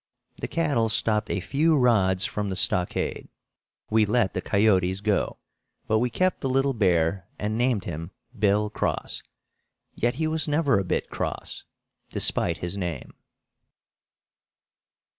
The cattle stopped a few rods from the stockade. We let the coyotes go, but we kept the little bear and named him Bill Cross. Yet he was never a bit cross, despite his name.